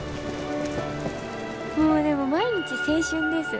もうでも毎日青春です。